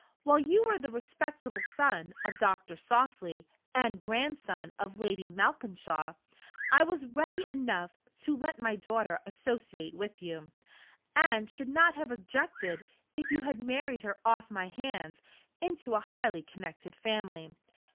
While you were the respectable son of Doctor Softly, and grandson of Lady Malkinshaw, I was ready enough to let my daughter associate with you, and should not have objected if you had married her off my hands into a highly connected family.